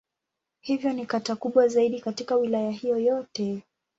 Hivyo ni kata kubwa zaidi katika Wilaya hiyo yote.